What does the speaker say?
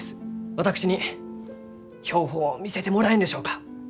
私に標本を見せてもらえんでしょうか？